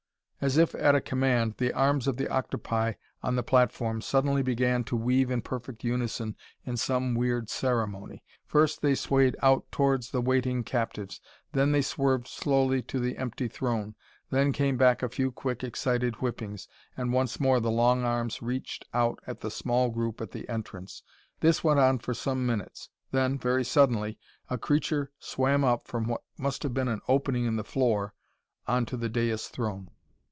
As if at a command the arms of the octopi on the platform suddenly began to weave in perfect unison in some weird ceremony. First they swayed out towards the waiting captives, then they swerved slowly to the empty throne. Then came a few quick, excited whippings; and once more the long arms reached out at the small group at the entrance. This went on for some minutes. Then, very suddenly, a creature swam up from what must have been an opening in the floor onto the dais throne.